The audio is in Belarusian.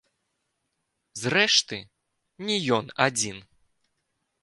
Зрэшты, не ён адзін.